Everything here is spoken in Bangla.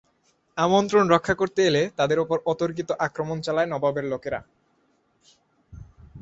আমন্ত্রণ রক্ষা করতে এলে তাদের ওপর অতর্কিত আক্রমণ চালায় নবাবের লোকেরা।